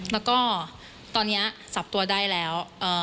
แล้วก็ตอนนี้จับตัวได้แล้ว